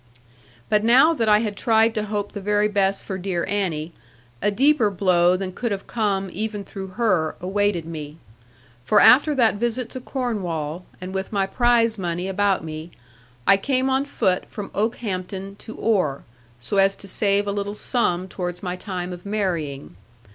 But now that I had tried to hope the very best for dear Annie, a deeper blow than could have come, even through her, awaited me. For after that visit to Cornwall, and with my prize money about me, I came on foot from Okehampton to Oare, so as to save a little sum towards my time of marrying.